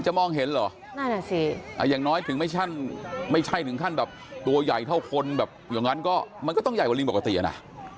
มองเห็นเหรอนั่นอ่ะสิอย่างน้อยถึงไม่ใช่ถึงขั้นแบบตัวใหญ่เท่าคนแบบอย่างนั้นก็มันก็ต้องใหญ่กว่าลิงปกติอ่ะนะ